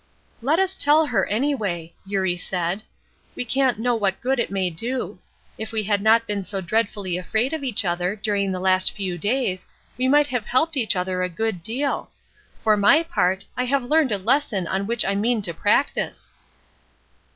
"Let us tell her, anyway," Eurie, said, "we can't know what good it may do. If we had not been so dreadfully afraid of each other, during the last few days, we might have helped each other a good deal; for my part, I have learned a lesson on which I mean to practice."